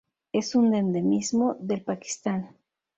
Es un endemismo del Pakistán.